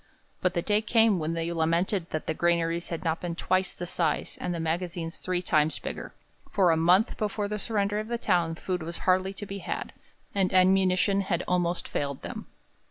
But the day came when they lamented that the granaries had not been twice the size, and the magazines three times bigger, for a month before the surrender of the town food was hardly to be had, and ammunition had almost failed them.